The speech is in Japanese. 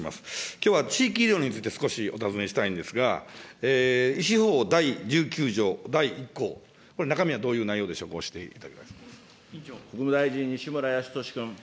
きょうは地域医療について、少しお尋ねしたいんですが、医師法第９０条第１項、これ、中身はどういう内容でしょうか、国務大臣、西村康稔君。